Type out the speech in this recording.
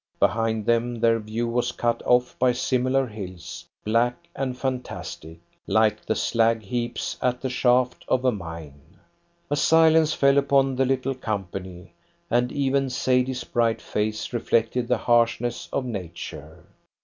Behind them their view was cut off by similar hills, black and fantastic, like the slag heaps at the shaft of a mine. A silence fell upon the little company, and even Sadie's bright face reflected the harshness of Nature.